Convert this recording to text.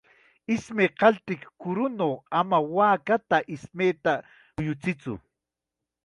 Ismay qaltiq kurunaw ama waaka ismayta muyuchiytsu.